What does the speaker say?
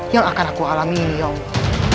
yang akan aku alami ya allah